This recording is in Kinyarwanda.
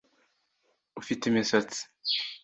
Ufite imisatsi